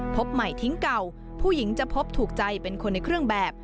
พบใหม่ทิ้งเก่าผู้หญิงจะพบถูกใจเป็นคนในเครื่องแบบ